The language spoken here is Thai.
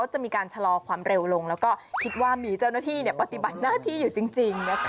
ได้ผลนะจ๊ะเป็นไอเดียที่ดีมากเจ๋งมาก